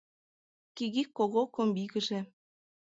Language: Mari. Кигик-когок комбигыже